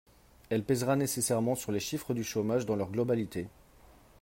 Elle pèsera nécessairement sur les chiffres du chômage dans leur globalité.